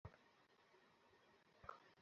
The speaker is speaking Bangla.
তারা সে স্থানেই রইলেন।